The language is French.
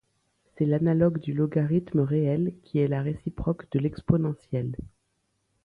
C'est l'analogue du logarithme réel qui est la réciproque de l'exponentielle.